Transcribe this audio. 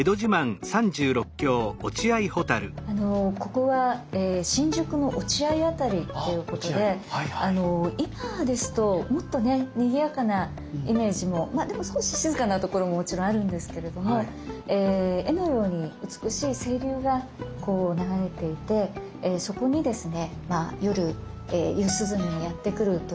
ここは新宿の落合辺りっていうことで今ですともっとねにぎやかなイメージもまあでも少し静かなところももちろんあるんですけれども絵のように美しい清流が流れていてそこにですね夜夕涼みにやって来るという。